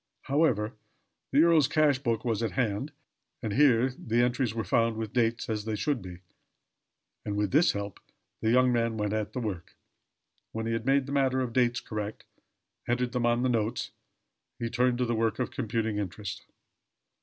However, the earl's cash book was at hand, and here the entries were found with dates, as they should be; and with this help the young man went at the work. When he had made the matter of dates correct entered them on the note he turned to the work of computing interest.